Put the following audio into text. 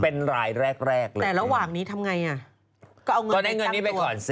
เป็นรายแรกแต่ระหว่างนี้ทำไงอ่ะก็ได้เงินนี้ไปก่อนสิ